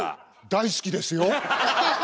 大好きですよ。